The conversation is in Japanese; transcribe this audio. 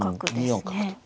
２四角と。